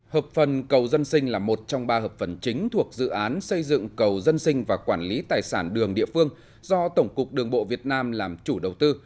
hợp phần cầu dân sinh là một trong ba hợp phần chính thuộc dự án xây dựng cầu dân sinh và quản lý tài sản đường địa phương do tổng cục đường bộ việt nam làm chủ đầu tư